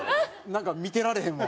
なんか見てられへんわ。